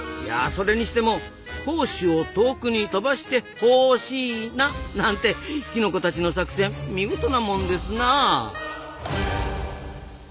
それにしても胞子を遠くに飛ばしてホーしいななんてきのこたちの作戦見事なもんですなあ！